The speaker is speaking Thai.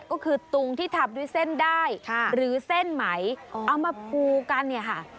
ก็คือตุงที่ทำด้วยเส้นได้หรือเส้นไหมเอามาภูกันเนี่ยค่ะ